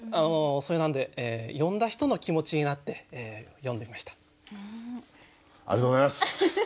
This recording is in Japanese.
それなんで呼んだ人の気持ちになって詠んでみました。